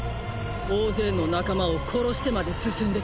大勢の仲間を殺してまで進んできた。